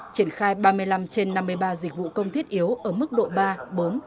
triển khai ba mươi năm trên năm mươi ba dịch vụ công thiết yếu ở mức độ ba bốn